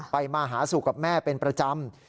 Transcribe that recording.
มาหาสู่กับแม่เป็นประจำ